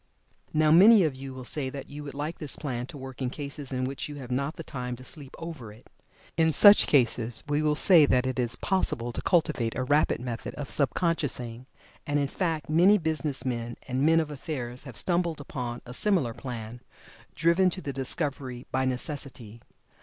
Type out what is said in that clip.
Now, many of you will say that you would like this plan to work in cases in which you have not the time to sleep over it. In such cases we will say that it is possible to cultivate a rapid method of sub consciousing, and in fact many business men and men of affairs have stumbled upon a similar plan, driven to the discovery by necessity.